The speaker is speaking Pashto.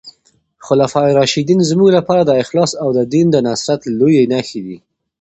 خلفای راشدین زموږ لپاره د اخلاص او د دین د نصرت لويې نښې دي.